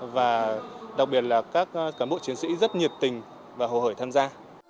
và đặc biệt là các cán bộ chiến sĩ rất nhiệt tình và hồ hởi tham gia